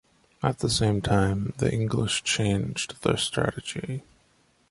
At the same time, the English changed their strategy.